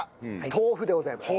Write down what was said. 豆腐でございます。